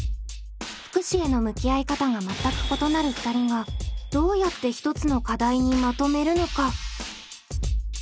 福祉への向き合い方が全く異なる２人がどうやって１つの課題にまとめるのか？